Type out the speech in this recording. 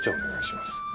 お願いします。